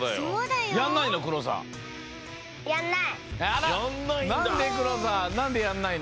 やんない！